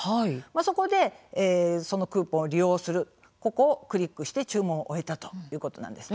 そこで、そのクーポンを利用するここをクリックして注文を終えたということです。